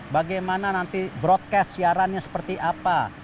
bagaimana nanti broadcast siarannya seperti apa